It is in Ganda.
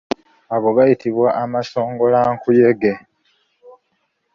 Ago gayitibwa amasongolankuyege.